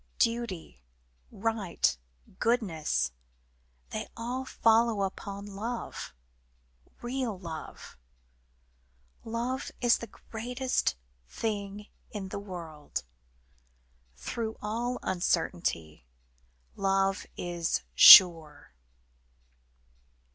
Duty, right, goodness, they all follow upon love real love. Love is the greatest thing in the world. Through all uncertainty love is sure."